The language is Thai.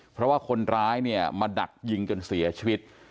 เพราะว่าคนร้ายเนี่ยมาดักยิงจนเสียชีวิต